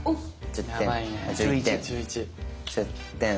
１０点。